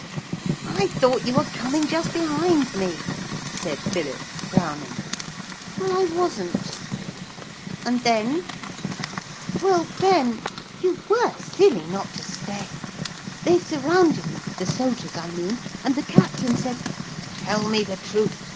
'I thought you were coming just behind me,' said Philip, frowning. 'Well, I wasn't.' 'And then.' 'Well, then You were silly not to stay. They surrounded me the soldiers, I mean and the captain said, "Tell me the truth.